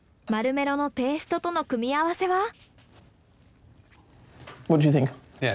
マルメロのペーストとの組み合わせは？